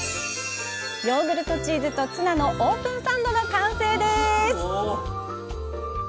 「ヨーグルトチーズとツナのオープンサンド」の完成です！